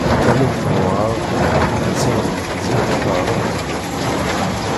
Tamurt n Waεraben attan deg Tegzirt Taεrabt kan.